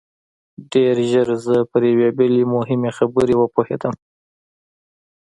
ډېر ژر زه پر یوې بلې مهمې خبرې وپوهېدم